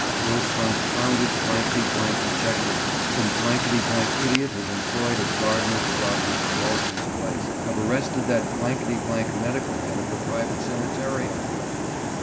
"Those confounded blankety blank detectives, some blankety blank idiot has employed as gardeners about Mrs. Ralston's place, have arrested that blankety blank medical head of the private sanatorium."